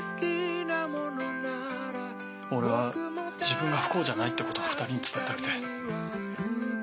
俺は自分が不幸じゃないってことを２人に伝えたくて。